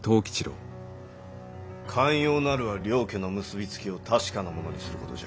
肝要なるは両家の結び付きを確かなものにすることじゃ。